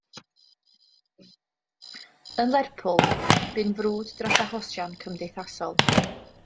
Yn Lerpwl bu'n frwd dros achosion cymdeithasol.